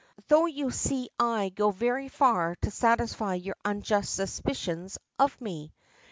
Though you see I go very far to satisfy your unjust suspicions of me.